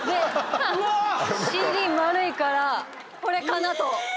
ＣＤ丸いから、これかなと。